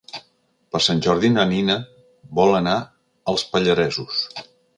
Per Sant Jordi na Nina vol anar als Pallaresos.